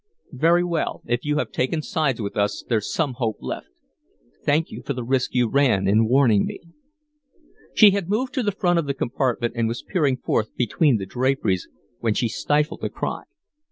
"Very well. If you have taken sides with us there's some hope left. Thank you for the risk you ran in warning me." She had moved to the front of the compartment and was peering forth between the draperies when she stifled a cry.